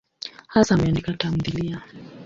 Hasa ameandika tamthiliya.